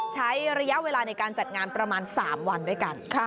ใช้ระยะเวลาในการจัดงานประมาณ๓วันด้วยกัน